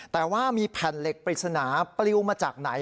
แต่ว่ามีแผ่นเหล็กปริศนาปลิวมาจากไหน